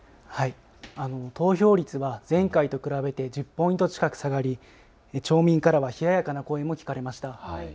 投票率は前回と比べて１０ポイント近く下がり町民からは冷ややかな声も聞かれました。